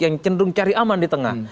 yang cenderung cari aman di tengah